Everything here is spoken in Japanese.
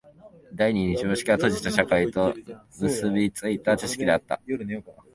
第二に常識は閉じた社会と結び付いた知識であった。